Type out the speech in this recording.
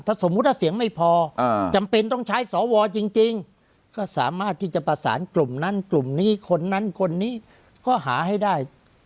ถ้าสมมุติว่าเสียงไม่พอจำเป็นต้องใช้สวจริงก็สามารถที่จะประสานกลุ่มนั้นกลุ่มนี้คนนั้นคนนี้ก็หาให้ได้